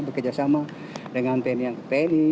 bekerja sama dengan tni tni